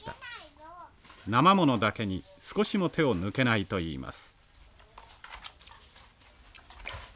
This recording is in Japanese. なま物だけに少しも手を抜けないといいます。